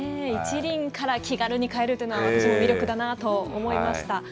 １輪から気軽に買えるというのは、私も魅力だなと思いました。